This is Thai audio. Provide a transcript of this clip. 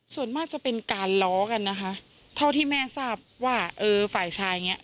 ส่วนมากจะเป็นการล้อกันนะคะเท่าที่แม่ทราบว่าเออฝ่ายชายอย่างเงี้